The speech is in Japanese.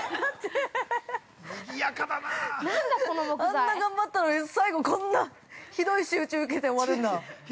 ◆あんな頑張ったのに最後、こんなひどい仕打ち受けて終わるんだ。